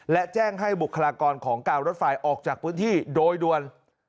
และแจ้งให้บุคลากรของการรถไฟออกจากพื้นที่โดยด่วน